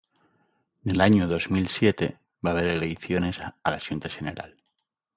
Nel añu dos mil siete va haber eleiciones a la Xunta Xeneral.